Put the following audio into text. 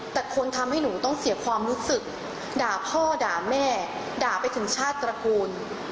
แต่คนทำให้หนูต้องเสียความรู้สึกด่าพ่อด่าแม่ด่าไปถึงชาติตระกูล